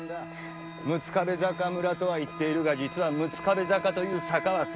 六壁坂村とは言っているが実は六壁坂という坂は存在しない。